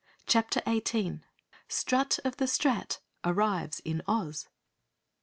CHAPTER 18 Strut of the Strat Arrives in Oz!